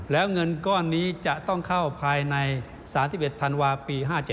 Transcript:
แล้วเงินก้อนนี้จะต้องเข้าภายในศาสตร์ที่๑๑ธันวาคมปี๕๗